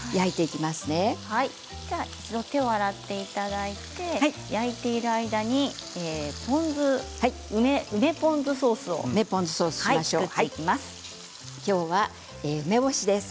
一度手を洗っていただいて焼いている間に梅ポン酢ソースをお願いします。